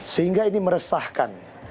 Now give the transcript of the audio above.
sehingga ini meresahkan